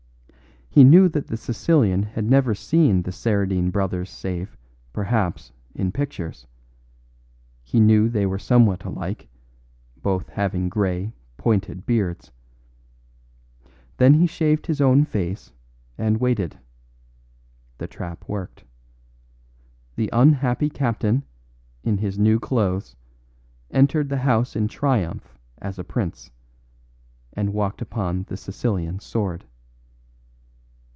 He knew that the Sicilian had never seen the Saradine brothers save, perhaps, in pictures; he knew they were somewhat alike, both having grey, pointed beards. Then he shaved his own face and waited. The trap worked. The unhappy captain, in his new clothes, entered the house in triumph as a prince, and walked upon the Sicilian's sword.